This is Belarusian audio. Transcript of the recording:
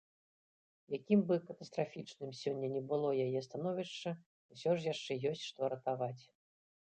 Якім бы катастрафічным сёння не было яе становішча, усё ж яшчэ ёсць што ратаваць.